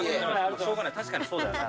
しょうがない、確かにそうだよな。